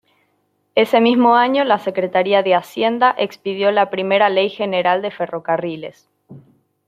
Ese mismo año la Secretaría de Hacienda expidió la primera Ley General de Ferrocarriles.